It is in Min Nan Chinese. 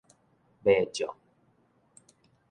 迷眾